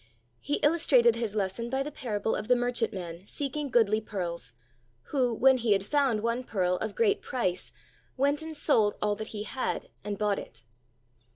He illustrated His lesson by the parable of the merchantman seeking goodly pearls, "who, when he had found one pearl of great price, went and sold all that he had, and bought it."